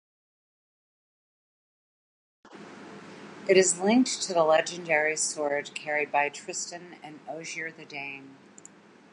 It is linked to the legendary sword carried by Tristan and Ogier the Dane.